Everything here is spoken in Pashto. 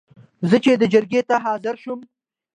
زه چې دې جرګې ته حاضر شوم.